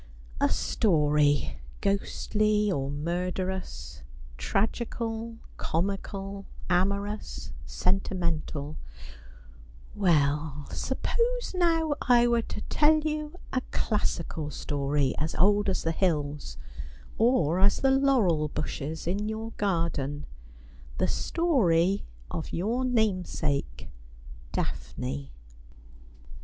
' A story, ghostly or murderous, tragical, comical, amorous, sentimental — well, suppose now I were to tell you a classical story, as old as the hills, or as the laurel bushes in your garden, the story of your namesake Daphne.'